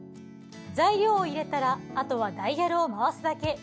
材料を入れたらあとはダイヤルを回すだけ。